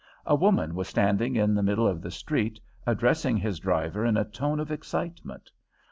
A woman was standing in the middle of the street addressing his driver in a tone of excitement.